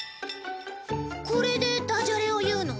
これでダジャレを言うの？